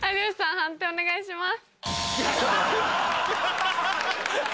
判定お願いします。